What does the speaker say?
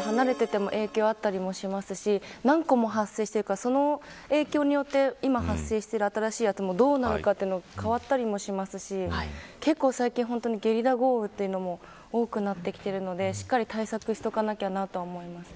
離れていても影響があったりしますし何個も発生しているからその影響で、今発生しているものが変わったりもしますし最近、ゲリラ豪雨というのも多くなってきているのでしっかり対策しておかなきゃと思います。